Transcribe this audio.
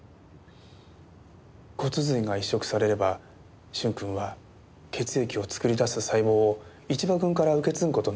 骨髄が移植されれば駿君は血液を作り出す細胞を一場君から受け継ぐ事になります。